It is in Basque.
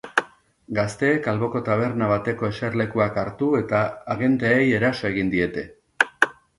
Gazteek alboko taberna bateko eserlekuak hartu eta agenteei eraso egin diete.